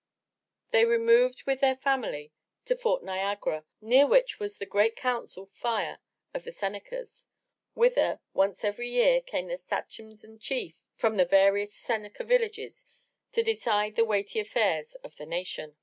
They removed with their family to Fort Niagara, near which was the Great Council Fire of the Senecas, whither, once every year, came the sachems and chiefs from the various Seneca villages to decide the weighty affairs of the nation.